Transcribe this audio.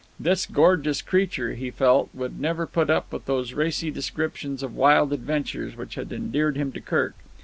This gorgeous creature, he felt, would never put up with those racy descriptions of wild adventures which had endeared him to Kirk.